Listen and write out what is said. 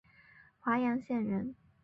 华阳县人。